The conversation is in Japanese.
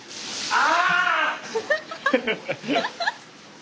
あ。